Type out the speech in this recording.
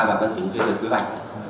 và vẫn tìm quyền để quy hoạch